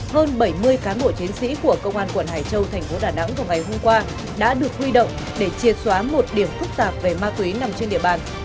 hơn bảy mươi cán bộ chiến sĩ của công an quận hải châu thành phố đà nẵng vào ngày hôm qua đã được huy động để triệt xóa một điểm phức tạp về ma túy nằm trên địa bàn